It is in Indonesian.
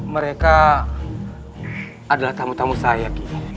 mereka adalah tamu tamu saya